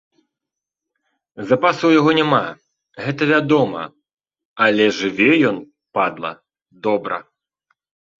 Запасу ў яго няма, гэта вядома, але жыве ён, падла, добра.